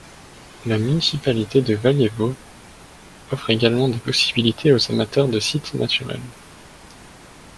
La municipalité de Valjevo offre également des possibilités aux amateurs de sites naturels.